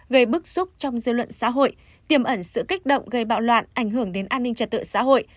gây bức xúc trong dư luận xã hội tiềm ẩn sự kích động gây bạo loạn ảnh hưởng đến an ninh trật tự xã hội